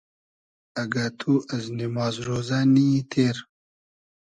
اگۂ تو از نیماز رۉزۂ نی یی تېر